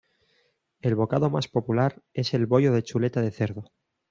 El bocado más popular es el bollo de chuleta de cerdo.